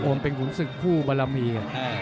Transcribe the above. โอ้มเป็นศึกผู้บรรลามี